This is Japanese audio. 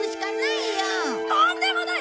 とんでもない！